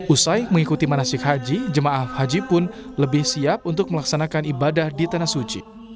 usai mengikuti manasik haji jemaah haji pun lebih siap untuk melaksanakan ibadah di tanah suci